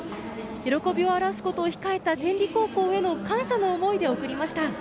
喜びを表すことを控えた天理高校への感謝の思いで送りました。